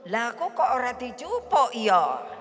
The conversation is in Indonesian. lah aku kok orang di jepang ya